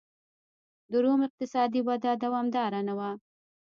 د روم اقتصادي وده دوامداره نه وه